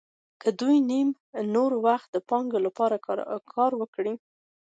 که دوی نیم نور وخت د پانګوال لپاره کار وکړي